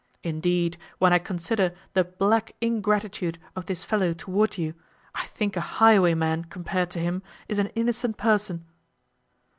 Indeed, when I consider the black ingratitude of this fellow toward you, I think a highwayman, compared to him, is an innocent person."